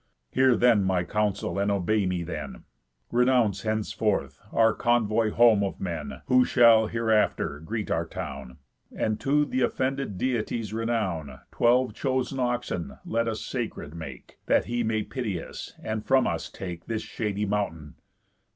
Hear then my counsel, and obey me then: Renounce henceforth our convoy home of men, Whoever shall hereafter greet our town; And to th' offended Deity's renown Twelve chosen oxen let us sacred make, That he may pity us, and from us take This shady mountain."